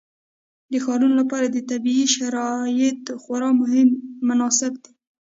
د ښارونو لپاره طبیعي شرایط خورا مناسب دي.